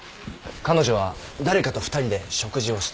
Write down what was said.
彼女は誰かと２人で食事をしていた。